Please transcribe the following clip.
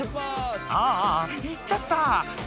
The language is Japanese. ああ行っちゃった！